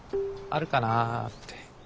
あるかなって。